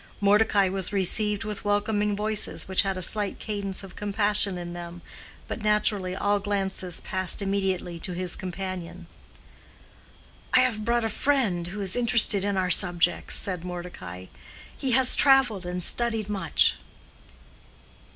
Mordecai was received with welcoming voices which had a slight cadence of compassion in them, but naturally all glances passed immediately to his companion. "I have brought a friend who is interested in our subjects," said Mordecai. "He has traveled and studied much."